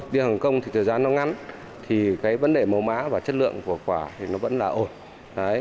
đi hồng kông thì thời gian nó ngắn thì cái vấn đề màu má và chất lượng của quả thì nó vẫn là ổn